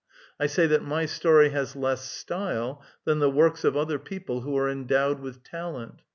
I say that my story has less style than the works of other people who are endowed with talent.